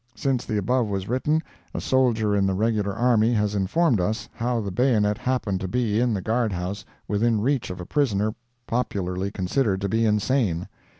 Since the above was written, a soldier in the regular army has informed us how the bayonet happened to be in the guard house within reach of a prisoner popularly considered to be insane.